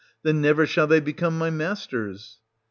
Then never shall they become my masters.